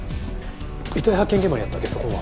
遺体発見現場にあったゲソ痕は？